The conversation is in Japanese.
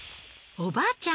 おばあちゃん